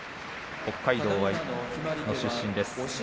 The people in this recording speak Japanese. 北海道の出身です。